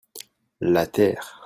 La terre.